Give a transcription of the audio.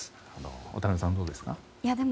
渡辺さん、どうですか。